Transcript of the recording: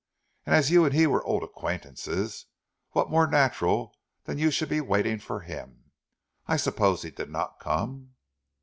As you and he were old acquaintances, what more natural than that you should be waiting for him? I suppose he did not come?"